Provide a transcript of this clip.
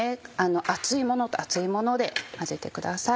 熱いものと熱いもので混ぜてください。